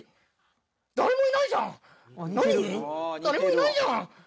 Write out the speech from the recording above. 誰もいないじゃん！